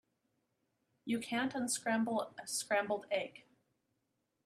You can't unscramble a scrambled egg.